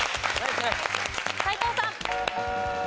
斎藤さん。